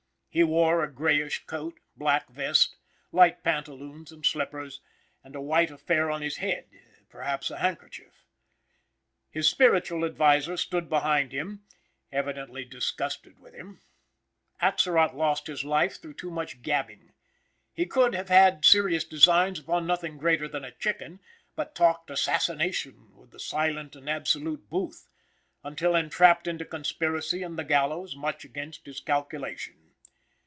He wore a greyish coat, black vest, light pantaloons and slippers, and a white affair on his head, perhaps a handkerchief. His spiritual adviser stood behind him, evidently disgusted with him. Atzerott lost his life through too much gabbing. He could have had serious designs upon nothing greater than a chicken, but talked assassination with the silent and absolute Booth, until entrapped into conspiracy and the gallows, much against his calculation.